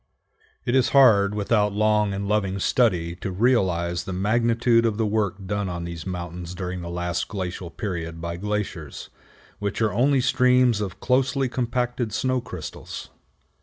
It is hard without long and loving study to realize the magnitude of the work done on these mountains during the last glacial period by glaciers, which are only streams of closely compacted snow crystals.